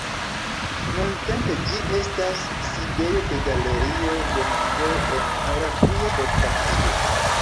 Nuntempe ĝi estas sidejo de Galerio de muzeo en Moravia Slovakio.